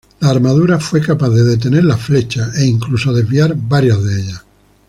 La armadura fue capaz de detener las flechas, e incluso desviar varias de ellas.